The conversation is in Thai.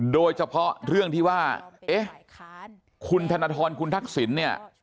โดยเฉพาะเรื่องที่ว่าเอ๊ะคุณธนทรคุณทักษิณเนี่ย